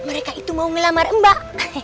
mereka itu mau melamar mbak